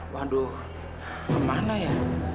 waduh kemana ya